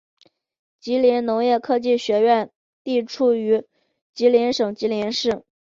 吉林农业科技学院地处吉林省吉林市。